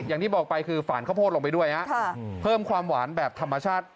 อย่างที่บอกไปคือฝ่านข้าวโพดลงไปด้วยฮะเพิ่มความหวานแบบธรรมชาติ